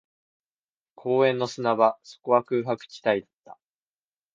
公園の砂場、そこは空白地帯だった